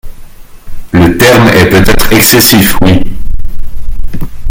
le terme est peut-être excessif, Oui